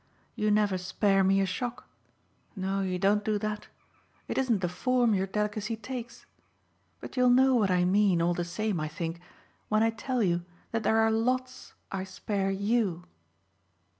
You never spare me a shock no, you don't do that: it isn't the form your delicacy takes. But you'll know what I mean, all the same, I think, when I tell you that there are lots I spare YOU!"